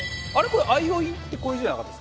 これ「相生」ってこういう字じゃなかった？